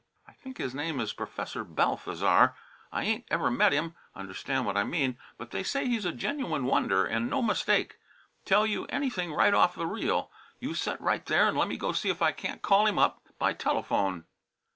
"I think his name is Professor Balthasar. I ain't ever met him, understand what I mean? but they say he's a genuine wonder an' no mistake; tell you anything right off the reel. You set right there and lemme go see if I can't call him up by telephone."